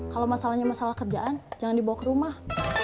kalau masalahnya masalah kerjaan jangan dibawa ke rumah